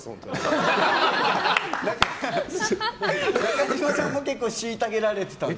中嶋さんも結構虐げられてたんですよ。